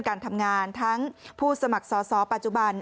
การทำงานทั้งผู้สมัครสอสอปัจจุบัน